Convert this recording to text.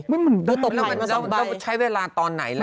มันได้มันต้องใช้เวลาตอนไหนละ